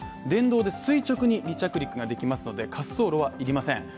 電動で垂直に離着陸できますので、滑走路は要りません。